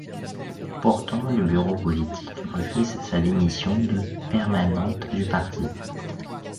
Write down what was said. Pourtant, le Bureau politique refuse sa démission de permanente du parti.